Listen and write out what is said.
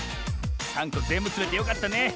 ３こぜんぶつめてよかったね。